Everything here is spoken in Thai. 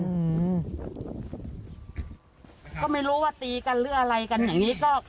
อืมก็ไม่รู้ว่าตีกันหรืออะไรกันอย่างนี้ก็